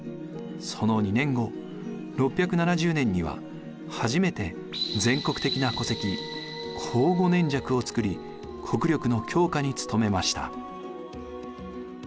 その２年後６７０年には初めて全国的な戸籍庚午年籍をつくり国力の強化に努めました。